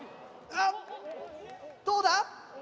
あっどうだ？